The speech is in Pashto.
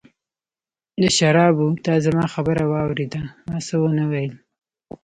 د شرابو، تا زما خبره واورېده، ما څه ونه ویل.